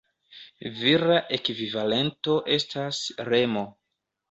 Vira ekvivalento estas Remo.